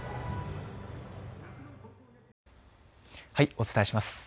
お伝えします。